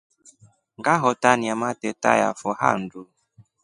Ngahotania mateta yafo handu.